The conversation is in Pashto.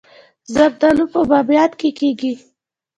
زردالو په بامیان کې کیږي